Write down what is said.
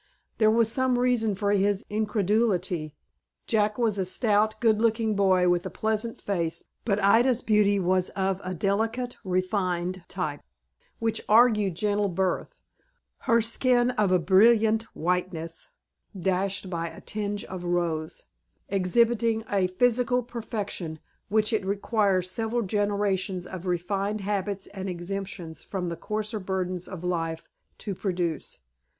There was some reason for his incredulity. Jack was a stout, good looking boy, with a pleasant face; but Ida's beauty was of a delicate, refined type, which argued gentle birth, her skin of a brilliant whiteness, dashed by a tinge of rose, exhibiting a physical perfection, which it requires several generations of refined habits and exemptions from the coarser burdens of life to produce.